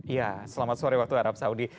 iya selamat sore waktu arab saudi